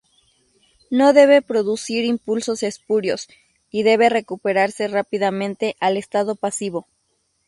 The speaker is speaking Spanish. No debe producir impulsos espurios, y debe recuperarse rápidamente al estado pasivo.